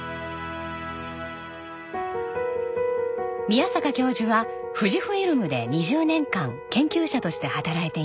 宮坂教授は富士フイルムで２０年間研究者として働いていました。